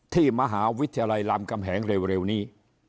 ที่มหาวิทยาลัยรามกำแหงเร็วนี้